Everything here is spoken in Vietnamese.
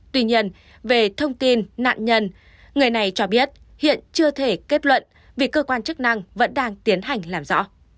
tuy nhiên về thông tin nạn nhân người này cho biết hiện chưa thể kết luận vì cơ quan chức năng vẫn đang tiến hành làm rõ